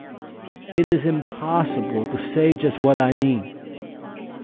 —It is impossible to say just what I mean!